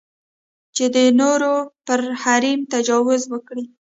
چې د نورو پر حریم تجاوز وکړي.